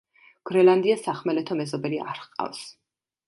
გრენლანდიას სახმელეთო მეზობელი არ ჰყავს.